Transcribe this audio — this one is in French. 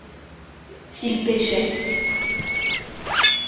S’il pêchait.